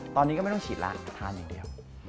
ตอนนี้ก็ไม่ต้องฉีดแล้วทานอย่างเดียว